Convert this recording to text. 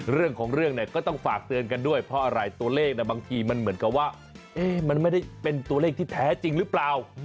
เรื่องของเรื่องเนี่ยก็ต้องฝากเตือนกันด้วยเพราะอะไรตัวเลขบางทีมันเหมือนกับว่ามันไม่ได้เป็นตัวเลขที่แท้จริงหรือเปล่า